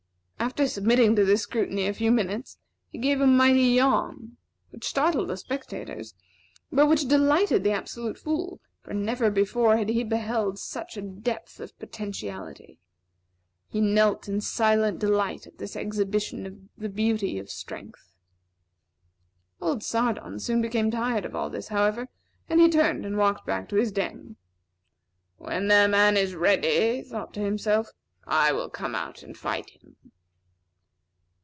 After submitting to this scrutiny a few minutes, he gave a mighty yawn, which startled the spectators, but which delighted the Absolute Fool; for never before had he beheld such a depth of potentiality. He knelt in silent delight at this exhibition of the beauty of strength. Old Sardon soon became tired of all this, however, and he turned and walked back to his den. "When their man is ready," he thought to himself, "I will come out and fight him."